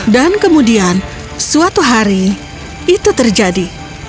dan kemudian suatu hari itu terjadi